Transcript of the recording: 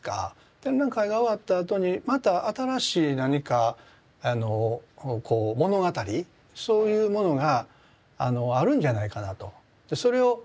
展覧会が終わったあとにまた新しい何か物語そういうものがあるんじゃないかなと。